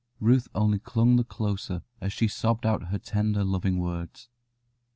Ruth only clung the closer as she sobbed out her tender, loving words.